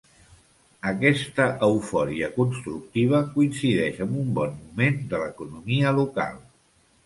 Aquesta eufòria constructiva coincideix amb un bon moment de l'economia local.